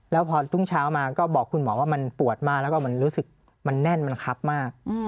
แล้วพอรุ่งเช้ามาก็บอกคุณหมอว่ามันปวดมากแล้วก็มันรู้สึกมันแน่นมันครับมาก